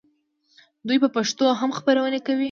دوی په پښتو هم خپرونې کوي.